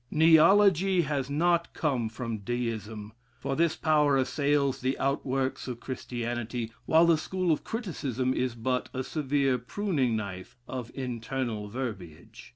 Neology has not come from Deism, for this power assails the outworks of Christianity; while the school of criticism is but a severe pruning knife of internal verbiage.